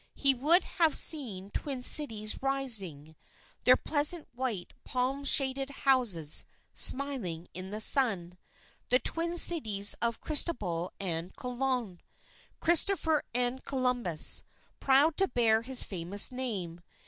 He would have seen Twin Cities rising, their pleasant white, palm shaded houses smiling in the sun, the Twin Cities of Cristobal and Colon Christopher and Columbus proud to bear his famous name.